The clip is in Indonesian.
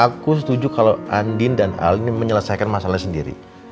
aku setuju kalau andin dan al ini menyelesaikan masalah sendiri